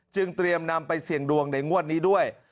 เตรียมนำไปเสี่ยงดวงในงวดนี้ด้วย